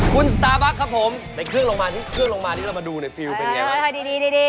คุณสตาร์บัคครับผมในเครื่องลงมาที่เรามาดูในฟิวเป็นยังไงบ้าง